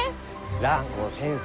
蘭光先生